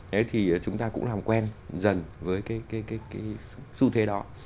đấy thì chúng ta cũng làm quen dần với cái xu thế đó